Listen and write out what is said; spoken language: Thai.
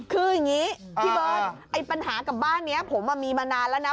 คืออย่างนี้พี่เบิร์ตไอ้ปัญหากับบ้านนี้ผมมีมานานแล้วนะ